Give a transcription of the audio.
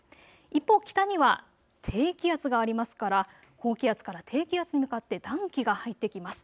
一方、北には低気圧がありますから高気圧から低気圧に向かって暖気が入ってきます。